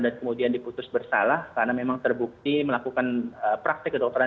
dan kemudian diputus bersalah karena memang terbukti melakukan praktik kedokteran